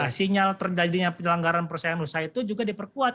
nah sinyal terjadinya penyelenggaran perusahaan rusak itu juga diperkuat